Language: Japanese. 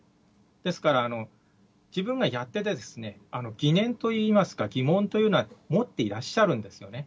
ですから、自分がやってて疑念といいますか、疑問というのは持っていらっしゃるんですよね。